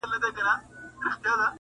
حـیانـاکې مـیــنې نــۀ بــه رسـوا کېږې